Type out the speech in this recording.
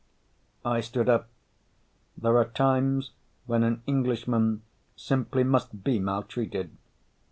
I stood up. There are times when an Englishman simply must be mal treated.